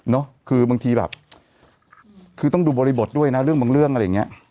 คือบางทีแบบคือต้องดูบริบทด้วยนะเรื่องบางเรื่องอะไรอย่างนี้